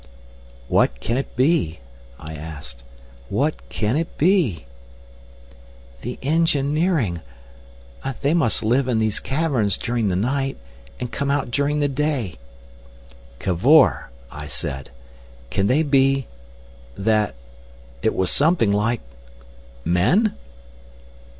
"What can it be?" I asked; "what can it be?" "The engineering!... They must live in these caverns during the night, and come out during the day." "Cavor!" I said. "Can they be—that—it was something like—men?"